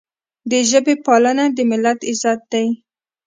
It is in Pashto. د ژبې پالنه د ملت عزت دی.